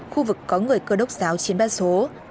khu vực có người cơ đốc giáo chiến bát số